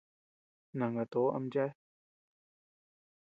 Nangatoʼo am chéa.